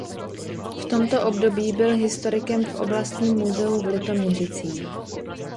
V tomto období byl historikem v Oblastním muzeu v Litoměřicích.